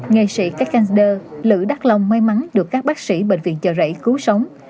nghệ sĩ cát cà đơ lữ đắc long may mắn được các bác sĩ bệnh viện chờ rẫy cứu sống